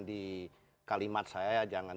di kalimat saya jangan